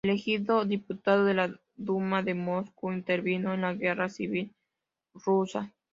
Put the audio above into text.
Elegido diputado de la Duma de Moscú, intervino en la Guerra Civil Rusa.